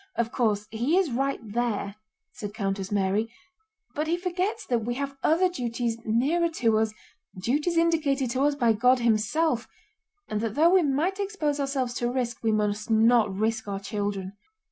Of course he is right there," said Countess Mary, "but he forgets that we have other duties nearer to us, duties indicated to us by God Himself, and that though we might expose ourselves to risks we must not risk our children."